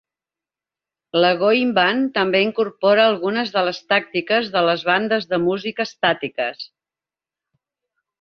La Goin' Band també incorpora algunes de les tàctiques de les bandes de música estàtiques.